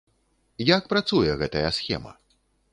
Як працуе гэтая схема?